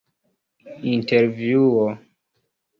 intervjuo